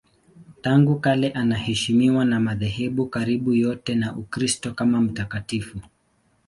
Tangu kale anaheshimiwa na madhehebu karibu yote ya Ukristo kama mtakatifu.